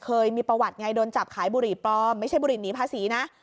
เคยมีประวัติไงโดนจับขายบุหรี่ปลอมไม่ใช่บุหรี่หนีภาษีนะ